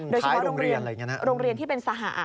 โดยเฉพาะโรงเรียนที่เป็นสหะ